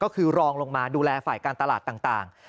ก็คือรองลงมาดูแลฝ่ายการตลาดต่าง